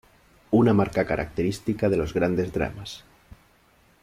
Una marca característica de los grandes dramas.